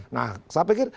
nah saya pikir